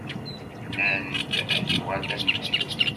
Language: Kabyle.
Nnan-d ad yuɣal Dda Lmulud.